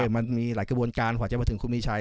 มันมีหลายกระบวนการกว่าจะมาถึงคุณมีชัย